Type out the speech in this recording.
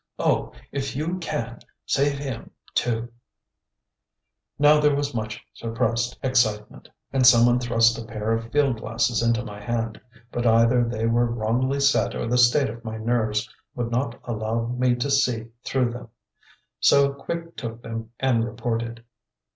Oh! if you can, save him, too." Now there was much suppressed excitement, and some one thrust a pair of field glasses into my hand, but either they were wrongly set or the state of my nerves would not allow me to see through them. So Quick took them and reported.